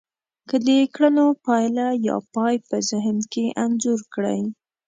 که د کړنو پايله يا پای په ذهن کې انځور کړی.